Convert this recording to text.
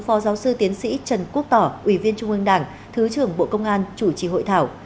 phó giáo sư tiến sĩ trần quốc tỏ ủy viên trung ương đảng thứ trưởng bộ công an chủ trì hội thảo